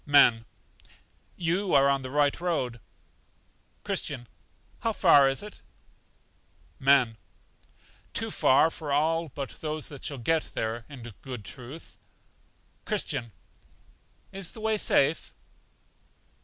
Men. You are in the right road. Christian. How far is it? Men. Too far for all but those that shall get there, in good truth. Christian. Is the way safe?